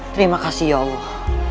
terima kasih ya allah